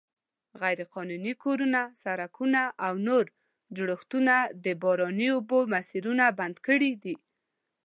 غیرقانوني کورونه، سړکونه او نور جوړښتونه د باراني اوبو مسیرونه بند کړي دي.